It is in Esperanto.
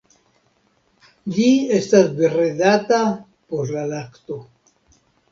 Ĝi estas bredata por la lakto.